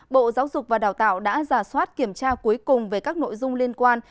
bộ giáo dục và đào tạo đã giả soát kiểm tra cuối cùng về các nội dung liên quan